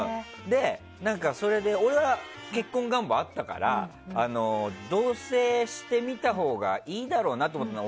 それで、俺は結婚願望があったから同棲してみたほうがいいだろうなと思ったの。